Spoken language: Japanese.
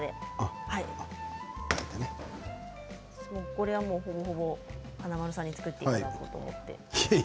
これは、もうほぼほぼ華丸さんに作っていただこうと思って。